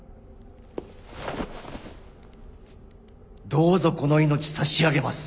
どうぞこの命差し上げます。